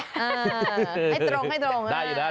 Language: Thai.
ให้ตรง